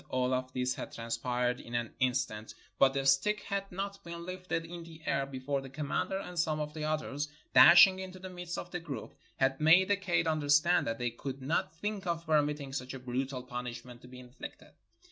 All of this had transpired in an in stant; but the stick had not been lifted in the air before the commander and some of the others, dashing into the midst of the group, had made the kaid understand that they could not think of permitting such a brutal punish ment to be inflicted.